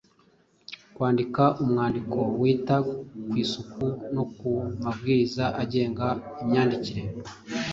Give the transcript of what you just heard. Kwandika umwandiko wita ku isuku no ku mabwiriza agenga imyandikire.